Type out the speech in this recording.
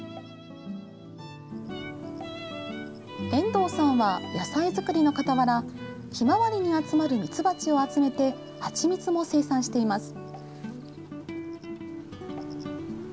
遠藤さんは、野菜作りの傍らひまわりに集まるミツバチを集めて蜂蜜も生産しています。